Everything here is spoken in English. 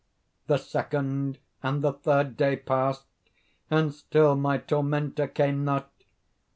The second and the third day passed, and still my tormentor came not.